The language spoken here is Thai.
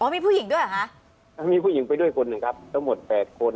มีผู้หญิงด้วยเหรอคะมีผู้หญิงไปด้วยคนหนึ่งครับทั้งหมด๘คน